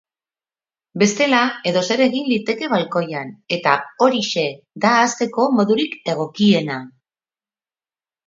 Bestela, edozer egin liteke balkoian, eta horixe da hasteko modurik egokiena.